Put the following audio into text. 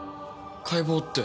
解剖って。